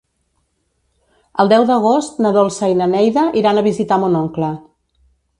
El deu d'agost na Dolça i na Neida iran a visitar mon oncle.